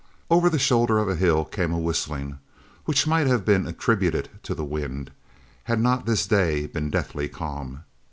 Over the shoulder of a hill came a whistling which might have been attributed to the wind, had not this day been deathly calm.